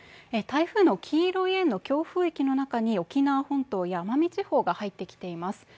台風の黄色い円の強風域の中に沖縄本島や奄美地方が入ってきてます。